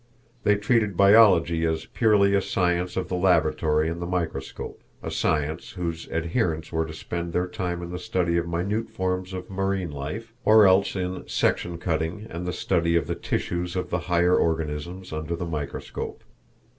They treated biology as purely a science of the laboratory and the microscope, a science whose adherents were to spend their time in the study of minute forms of marine life, or else in section cutting and the study of the tissues of the higher organisms under the microscope.